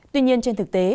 tuy nhiên trên thực tế